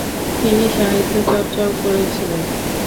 তিনি সাহিত্য চর্চাও করেছিলেন।